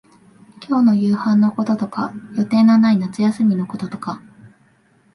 今日の夕飯のこととか、予定のない夏休みのこととか、